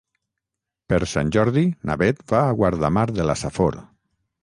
Per Sant Jordi na Beth va a Guardamar de la Safor.